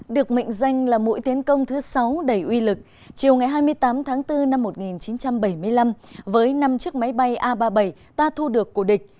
được mệnh danh là mũi tiến công thứ sáu đầy uy lực chiều ngày hai mươi tám tháng bốn năm một nghìn chín trăm bảy mươi năm với năm chiếc máy bay a ba mươi bảy ta thu được của địch